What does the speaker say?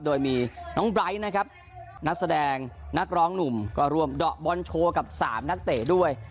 โดยมีน้องไบร์ทนะครับนักแสดงนักร้องหนุ่มก็ร่วมเดาะบอลโชว์กับ๓นักเตะด้วย